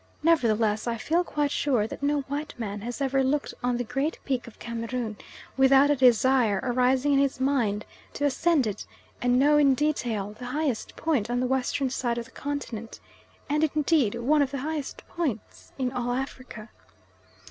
Nevertheless, I feel quite sure that no white man has ever looked on the great Peak of Cameroon without a desire arising in his mind to ascend it and know in detail the highest point on the western side of the continent, and indeed one of the highest points in all Africa.